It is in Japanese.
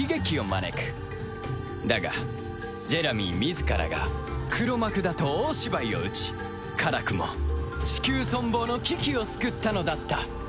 だがジェラミー自らが黒幕だと大芝居を打ち辛くもチキュー存亡の危機を救ったのだったとさ